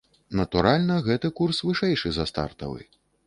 Натуральна, гэты курс вышэйшы за стартавы.